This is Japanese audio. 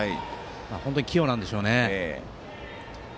本当に器用なんでしょうね。